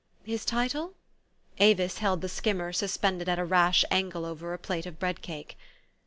4 'His title?" Avis held the skimmer suspended at a rash angle over a plate of bread cake.